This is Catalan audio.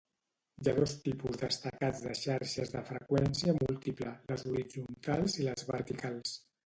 Hi ha dos tipus destacats de xarxes de freqüència múltiple, les horitzontals i les verticals.